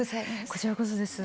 こちらこそです。